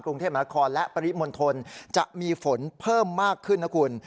กรุงเทพมหานครและปริมณฑลจะมีฝนเพิ่มมากขึ้นนะคุณ